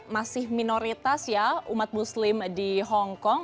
masih minoritas ya umat muslim di hongkong